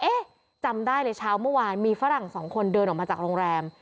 จำได้เลยเช้าเมื่อวานมีฝรั่งสองคนเดินออกมาจากโรงแรม